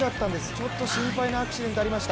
ちょっと心配なアクシデントがありました。